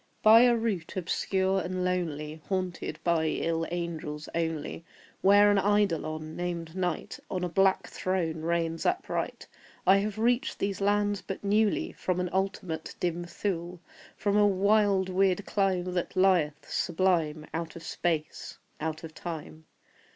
By a route obscure and lonely, Haunted by ill angels only, Where an Eidolon, named NIGHT, On a black throne reigns upright, I have reached these lands but newly From an ultimate dim Thule From a wild weird clime that lieth, sublime, Out of SPACE out of TIME.